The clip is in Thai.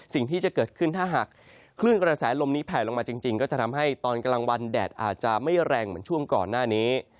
สิ่งที่จะเกิดขึ้นถ้าหากคลื่นกระแสลมนี้แผลลงมาจริงก็จะทำให้ตอนกลางวันแดดอาจจะไม่แรงเหมือนช่วงก่อนหน้านี้